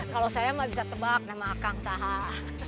kalau saya mah bisa tebak nama akang sahah